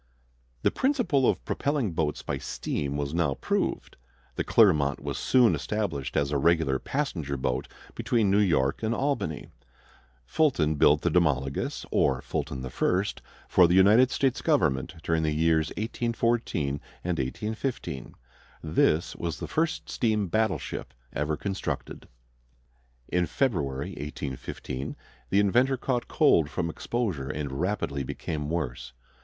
The principle of propelling boats by steam was now proved. The Clermont was soon established as a regular passenger boat between New York and Albany. Fulton built the Demologos, or Fulton the First, for the United States government during the years 1814 and 1815. This was the first steam battleship ever constructed. In February, 1815, the inventor caught cold from exposure and rapidly became worse.